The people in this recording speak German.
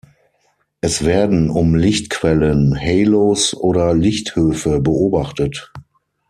Es werden um Lichtquellen Halos oder Lichthöfe beobachtet.